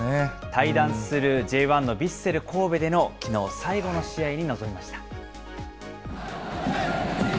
退団するＪ１のヴィッセル神戸での、きのう、最後の試合に臨みました。